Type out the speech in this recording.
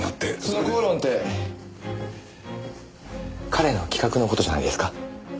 その口論って彼の企画の事じゃないですか？